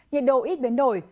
nhiệt độ ít biến đổi